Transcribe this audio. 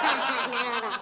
なるほど。